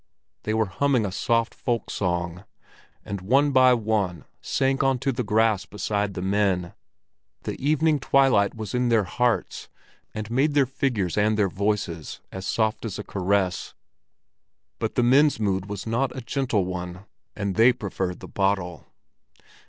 They were humming a soft folk song, and one by one sank on to the grass beside the men; the evening twilight was in their hearts, and made their figures and voices as soft as a caress. But the men's mood was not a gentle one, and they preferred the bottle.